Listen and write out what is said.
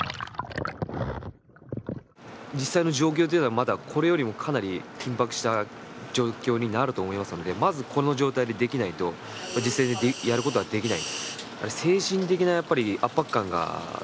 実際の状況というのは、これよりもまだ緊迫した状況になると思いますので、まずこの状態でできないと実際にやることはできない。